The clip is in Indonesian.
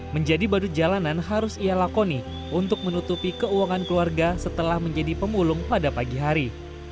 menjadi badut jalanan harus ia lakoni untuk menutupi keuangan keluarga setelah menjadi pemulung pada pagi hari